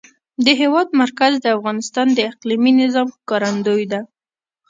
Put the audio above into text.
د هېواد مرکز د افغانستان د اقلیمي نظام ښکارندوی ده.